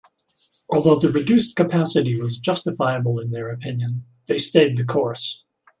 Although the reduced capacity was justifiable in their opinion, they stayed the course.